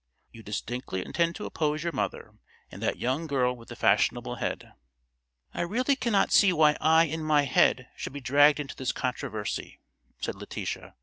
You distinctly intend to oppose your mother and that young girl with the fashionable head?" "I really cannot see why I and my head should be dragged into this controversy," said Letitia.